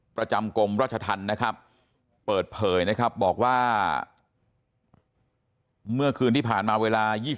ประจำกรมราชธรรมนะครับเปิดเผยนะครับบอกว่าเมื่อคืนที่ผ่านมาเวลา